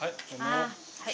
はい。